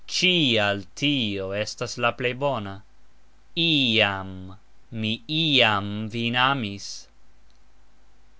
Cxial tio estas la plej bona. "Iam." Mi iam vin amis.